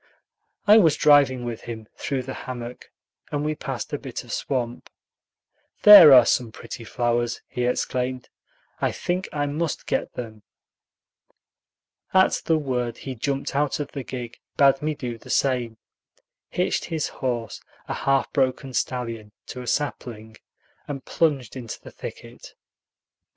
I was driving with him through the hammock, and we passed a bit of swamp. "There are some pretty flowers," he exclaimed; "I think I must get them." At the word he jumped out of the gig, bade me do the same, hitched his horse, a half broken stallion, to a sapling, and plunged into the thicket.